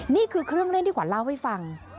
นี่คือเครื่องเล่นที่ขวัญเล่าให้ฟัง